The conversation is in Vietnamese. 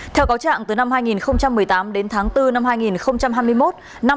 theo cáo trạng từ năm hai nghìn một mươi tám đến tháng bốn năm hai nghìn hai mươi một